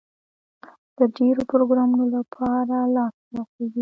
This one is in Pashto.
د ډېرو پروګرامونو لپاره لاس خلاصېږي.